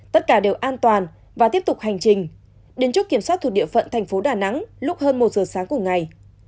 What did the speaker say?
tất cả đều an toàn và tiếp tục hành trình đến chốt kiểm soát thuộc địa phận thành phố đà nẵng lúc hơn một giờ sáng cùng ngày